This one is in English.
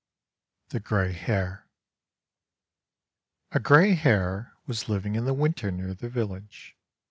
THE GRAY HAEE A GRAY hare was living in the winter near the village.